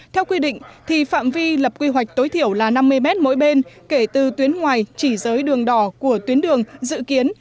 theo quy định thì phạm vi lập quy hoạch tối thiểu là năm mươi mét mỗi bên kể từ tuyến ngoài chỉ dưới đường đỏ của tuyến đường dự kiến